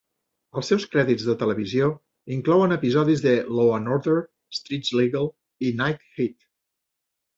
Els seus crèdits de televisió inclouen episodis de "Law and Order", "Street Legal" i "Night Heat".